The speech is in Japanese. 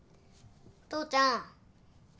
父ちゃん。